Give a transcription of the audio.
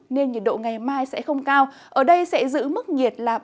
nên nhiệt độ ngày mai sẽ không cao ở đây sẽ giữ mức nhiệt là ba mươi hai ba mươi ba độ